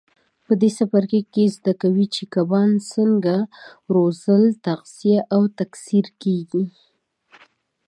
په دې څپرکي کې زده کوئ چې کبان څنګه روزل تغذیه او تکثیر کېږي.